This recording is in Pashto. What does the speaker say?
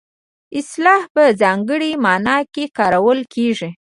اصطلاح په ځانګړې مانا کې کارول کیږي